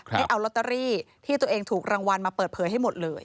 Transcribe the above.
ให้เอาลอตเตอรี่ที่ตัวเองถูกรางวัลมาเปิดเผยให้หมดเลย